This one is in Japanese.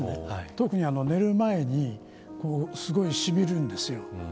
特に、寝る前にすごいしみるんですよ。